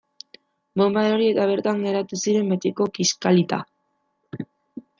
Bonba erori eta bertan geratu ziren betiko, kiskalita.